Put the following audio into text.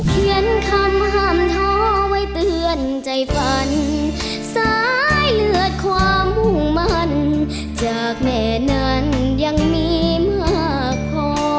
เขียนคำห้ามท้อไว้เตือนใจฝันสายเลือดความมุ่งมั่นจากแม่นั้นยังมีมากพอ